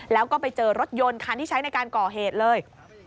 แล้วก็ไปเจอรถยนต์คันที่ใช้ในการก่อเหตุเลย